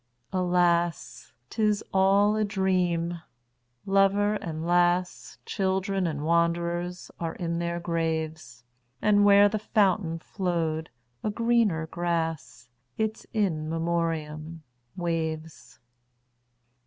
Alas! 't is all a dream. Lover and lass, Children and wanderers, are in their graves; And where the fountain flow'd a greener grass—Its In Memoriam—waves.